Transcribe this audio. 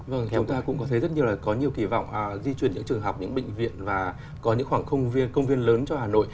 vâng thì chúng ta cũng có thấy rất nhiều là có nhiều kỳ vọng di chuyển những trường học những bệnh viện và có những khoảng công viên lớn cho hà nội